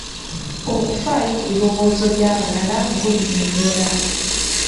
Okufaayo ku birowoozo by'abalala ng'onyonnyola.